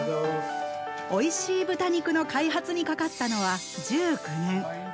おいしい豚肉の開発にかかったのは１９年。